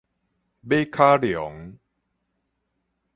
馬卡龍